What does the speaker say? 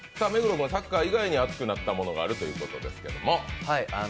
君、サッカー以外に熱くなったものがあるということですけど？